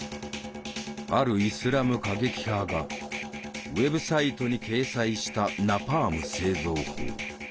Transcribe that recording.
あるイスラム過激派がウェブサイトに掲載した「ナパーム製造法」。